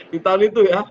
di tahun itu ya